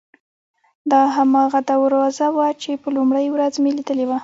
دا هماغه دروازه وه چې په لومړۍ ورځ مې لیدلې وه.